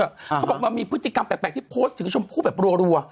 เขาบอกมันมีพฤติกรรมแปลกที่โพสต์ถึงชมพู่แบบรัว